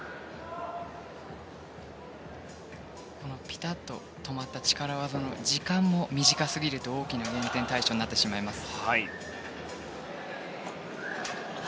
ピタッと止まった力技の時間も短すぎると大きな減点対象になってしまいます。